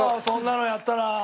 そんなのやったら。